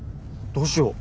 どうしよう。